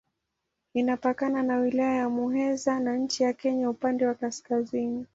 Inapakana na Wilaya ya Muheza na nchi ya Kenya upande wa kaskazini.